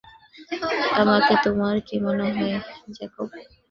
আমাকে তোমার কী মনে হয় জ্যাকব?